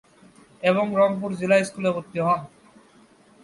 এবং রংপুর জিলা স্কুলে ভর্তি হন।